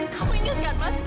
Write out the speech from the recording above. kamu ingat kan mas